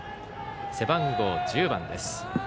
背番号１０番です。